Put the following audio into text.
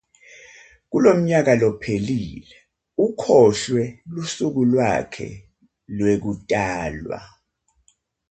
Kulomnyaka lophelile ukhohlwe lusuku lwakhe lwekutalwa.